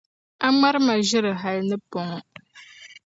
a ŋmari ma ʒiri hal ni pɔŋɔ.